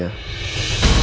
apanya patient banget sih